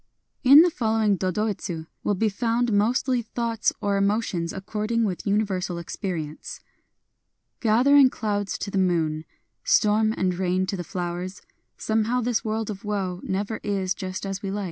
197 In the following dodoitsu will be found mostly thoughts or emotions according with universal experience :— Gathering clouds to the moon ;— storm and rain to the flowers : Somehow this world of woe never is just as we like?